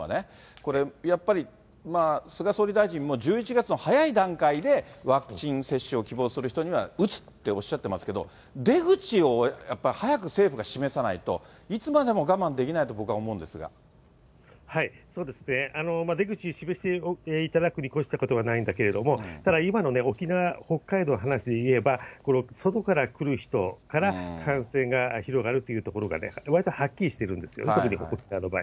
これやっぱり、菅総理大臣も１１月の早い段階でワクチン接種を希望する人には打つっておっしゃってますけれども、出口をやっぱり早く政府が示さないと、いつまでも我慢できないと、そうですね、出口示していただくことに、越したことはないんだけれども、ただ、今の沖縄、北海道の話でいえば、外から来る人から感染が広がるというところがね、わりとはっきりしてるんですよ、特に沖縄の場合。